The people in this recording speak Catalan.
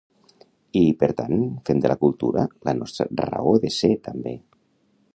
I, per tant, fem de la cultura la nostra raó de ser també.